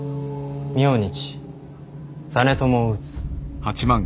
明日実朝を討つ。